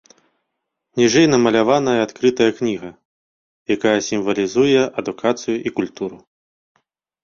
Ніжэй намаляваная адкрытая кніга, якая сімвалізуе адукацыю і культуру.